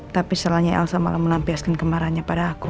tapi selainnya elsa malah menampiaskan kemarahannya pada aku